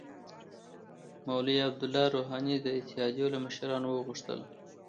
مولوی عبدالله روحاني د اتحادیو له مشرانو وغوښتل